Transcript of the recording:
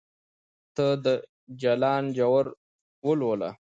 ته د جلان ژور ولوله